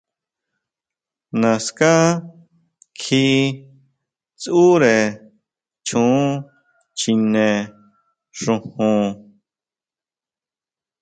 Naská kjí tsʼure choon chjine xojon.